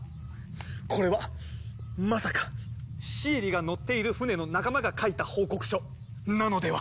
これはまさかシエリが乗っている船の仲間が書いた報告書なのでは？